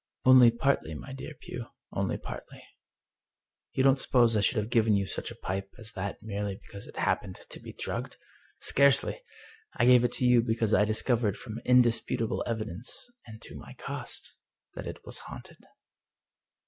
" Only partly, my dear Pugh — only partly. You don't suppose I should have given you such a pipe as that merely because it happened to be drugged? Scarcely! I gave it you because I discovered from indisputable evidence, and to my cost, that it was haunted."